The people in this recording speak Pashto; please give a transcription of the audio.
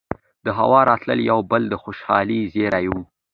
دهوا راتلل يو بل د خوشالۍ زېرے وو